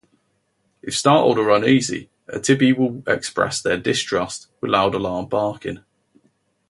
If startled or uneasy, a Tibbie will express their distrust with loud alarm barking.